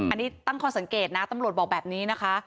อันนี้ตั้งข้อสังเกตนะตำรวจบอกแบบนี้นะคะ